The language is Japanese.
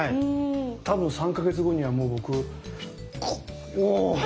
多分３か月後にはもう僕クッ！